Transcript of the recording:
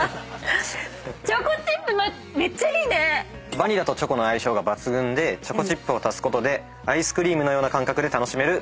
バニラとチョコの相性が抜群でチョコチップを足すことでアイスクリームのような感覚で楽しめるドリンクになってます。